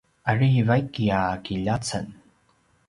ari vaiki a kiljaceng